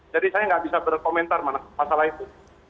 jadi saya nggak bisa berkomentar masalah itu